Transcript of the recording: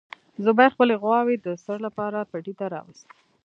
زبیر خپلې غواوې د څړ لپاره پټي ته راوستې.